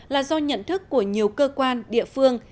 là do nhận thức của nhiều cơ quan địa phương